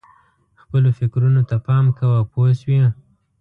خپلو فکرونو ته پام کوه پوه شوې!.